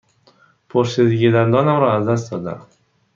پرشدگی دندانم را از دست داده ام.